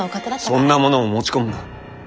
そんなものを持ち込むな。